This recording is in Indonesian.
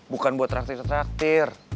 bukan buat traktir traktir